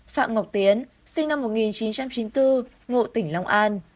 phạm ngọc tiến sinh năm một nghìn chín trăm chín mươi bốn ngụ tỉnh long an